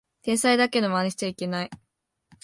天才だけどマネしちゃいけない